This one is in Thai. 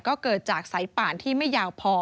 ก็เกิดจากสายป่านที่ไม่ยาวพอ